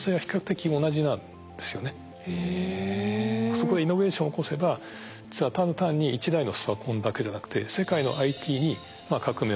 そこでイノベーションを起こせばただ単に１台のスパコンだけじゃなくてお。